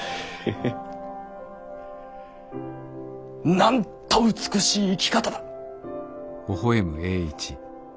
なんと美しい生き方だ。